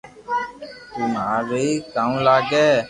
تو ماري ڪاو لاگي